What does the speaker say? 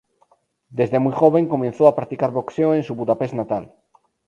Desde muy joven comenzó a practicar boxeo en su Budapest natal.